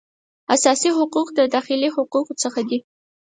اساسي حقوق د داخلي حقوقو څخه دي